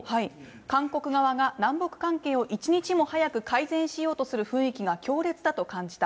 韓国側が南北関係を一日も早く改善しようとする雰囲気が強烈だと感じた。